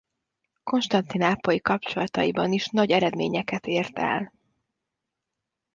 Konstantinápolyi kapcsolataiban is nagy eredményeket ért el.